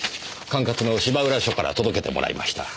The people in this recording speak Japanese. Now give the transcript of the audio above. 管轄の芝浦署から届けてもらいました。